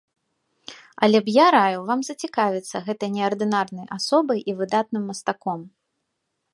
Але б я раіў вам зацікавіцца гэтай неардынарнай асобай і выдатным мастаком.